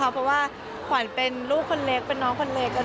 เพราะว่าขวัญเป็นลูกคนเล็กเป็นน้องคนเล็ก